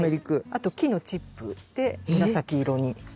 あと木のチップで紫色になって。